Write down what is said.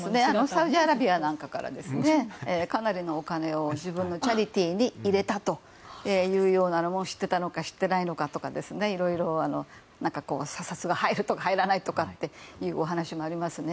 サウジアラビアなんかからかなりのお金を自分のチャリティーに入れたというようなことも知っていたのか知っていなかったのかとかねいろいろ、査察が入るとか入らないとかっていうお話もありますね。